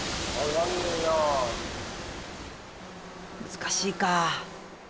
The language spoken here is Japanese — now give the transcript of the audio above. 難しいかあ。